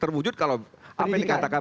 terwujud kalau apa yang dikatakan